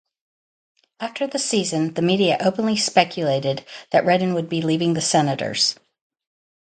After the season, the media openly speculated that Redden would be leaving the Senators.